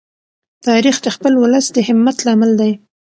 تاریخ د خپل ولس د همت لامل دی.